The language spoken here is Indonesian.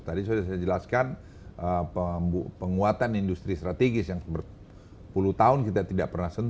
tadi sudah saya jelaskan penguatan industri strategis yang berpuluh tahun kita tidak pernah sentuh